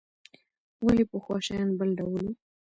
ولې پخوا شیان بل ډول وو؟